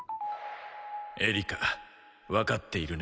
エリカわかっているね？